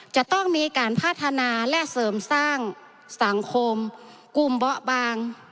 จะต้องมีการพัฒนาและเสริมสร้างสังคมกลุ่มเบาะบาง